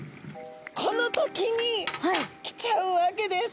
この時に来ちゃうわけです。